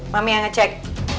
mami yang ngecek